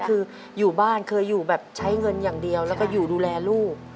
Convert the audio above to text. คืออยู่บ้านเคยอยู่แบบใช้เงินอย่างเดียวแล้วก็อยู่ดูแลลูก